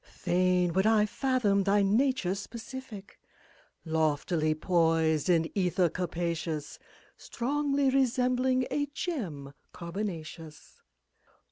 Fain would I fathom thy nature's specific Loftily poised in ether capacious. Strongly resembling a gem carbonaceous.